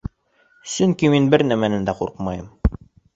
Сөнки мин бер нимәнән дә ҡурҡмайым.